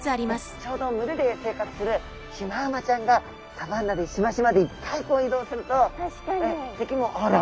ちょうど群れで生活するシマウマちゃんがサバンナでしましまでいっぱい移動すると敵も「あら何だ？何匹いるの？どこにいるの？